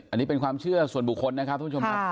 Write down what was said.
อันนี้เป็นความเชื่อส่วนบุคคลนะครับทุกผู้ชมครับ